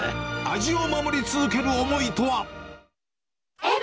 味を守り続ける思いとは。